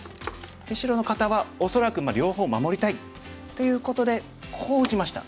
で白の方は恐らく両方守りたいということでこう打ちました。